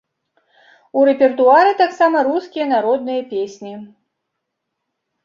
У рэпертуары таксама рускія народныя песні.